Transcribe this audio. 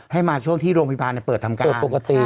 ให้มาช่วงที่โรงพิพารพยาบาลปิดการ